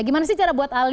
gimana sih cara buat alis